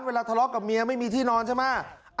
เวลาทะเลาะกับเมียไม่มีที่นอนใช่ไหม